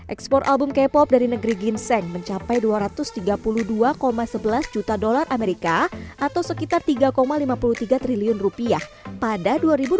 ekspor album k pop dari negeri ginseng mencapai dua ratus tiga puluh dua sebelas juta dolar amerika atau sekitar tiga lima puluh tiga triliun rupiah pada dua ribu dua puluh